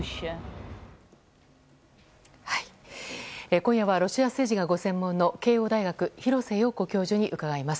今夜はロシア政治がご専門の慶應大学廣瀬陽子教授に伺います。